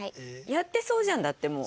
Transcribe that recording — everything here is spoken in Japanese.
やってそうじゃんだってもう。